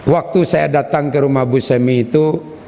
waktu saya datang ke rumah bu semi itu